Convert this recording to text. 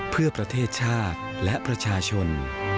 เพื่อประเทศชาติและประชาชน